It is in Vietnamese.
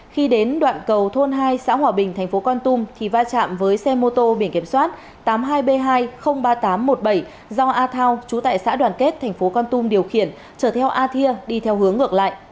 khi đến đoạn cầu thôn hai xã hòa bình tp con tum thì va chạm với xe mô tô biển kiểm soát tám mươi hai b hai trăm linh ba nghìn tám trăm một mươi bảy do a thao trú tại xã đoàn kết tp con tum điều khiển trở theo a thia đi theo hướng ngược lại